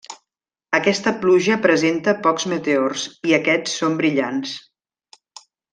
Aquesta pluja presenta pocs meteors, i aquests són brillants.